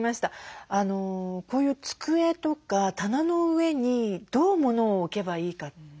こういう机とか棚の上にどうものを置けばいいかって。